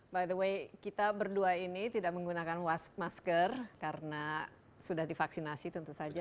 by the way kita berdua ini tidak menggunakan masker karena sudah divaksinasi tentu saja